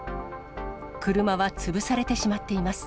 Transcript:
車は潰されてしまっています。